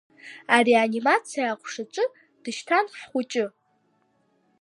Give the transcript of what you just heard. Ареанимациа аҟәшаҿы дышьҭан ҳхәыҷы.